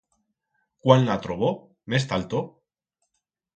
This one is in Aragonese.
Cuán la trobo, mes ta alto?